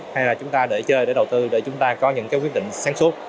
hay là chúng ta để chơi để đầu tư để chúng ta có những cái quyết định sáng suốt